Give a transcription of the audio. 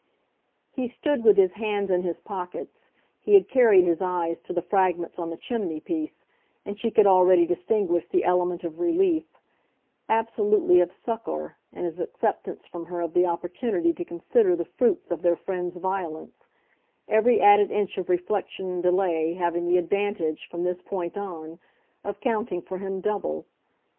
He stood with his hands in his pockets; he had carried his eyes to the fragments on the chimney piece, and she could already distinguish the element of relief, absolutely of succour, in his acceptance from her of the opportunity to consider the fruits of their friend's violence every added inch of reflection and delay having the advantage, from this point on, of counting for him double.